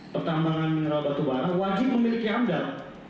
pertambangan mineral batu bara wajib memiliki amdal